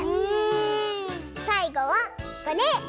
さいごはこれ。